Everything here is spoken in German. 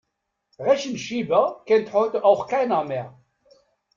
Rechenschieber kennt heute auch keiner mehr.